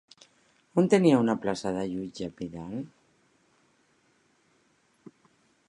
On tenia una plaça de jutge Vidal?